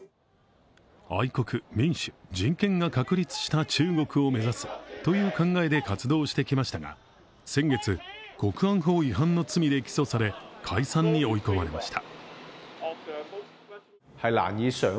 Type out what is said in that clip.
愛国、民主、人権が確立した中国を目指すという考えで活動してきましたが、先月、国安法違反の罪で起訴され、解散に追い込まれました。